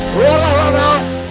keluar lah rana